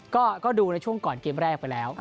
ก็ดูในช่วงก่อนเกมแรกไปแล้ว